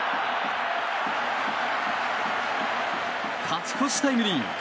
勝ち越しタイムリー。